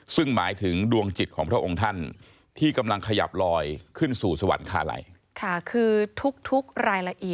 ซึ่งหมายถึงดวงจิตของพระองค์ท่านที่กำลังขยับลอยขึ้นสู่สวรรคาไล